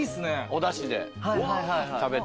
おだしで食べて。